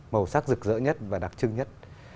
màu sắc rực rỡ nhất và đặc trưng nhất